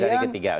kita cari ketiga